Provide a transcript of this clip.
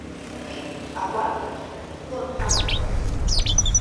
Агәарԥ аҿы ҳаидгылан хаҵаки сареи.